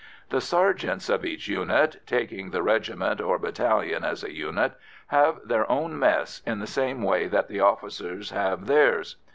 The sergeants of each unit taking the regiment or battalion as a unit have their own mess, in the same way that the officers have theirs.